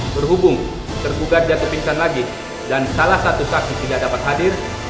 berhubung tergugat dia tepingkan lagi dan salah satu saksi tidak dapat hadir